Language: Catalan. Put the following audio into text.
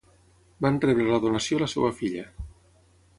Van rebre la donació la seva filla.